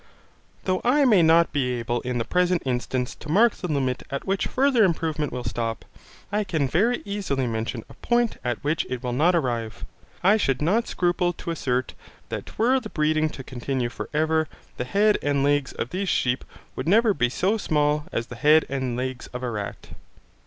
Though I may not be able in the present instance to mark the limit at which further improvement will stop, I can very easily mention a point at which it will not arrive. I should not scruple to assert that were the breeding to continue for ever, the head and legs of these sheep would never be so small as the head and legs of a rat.